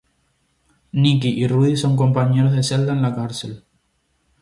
Nick y Rudy son compañeros de celda en la cárcel.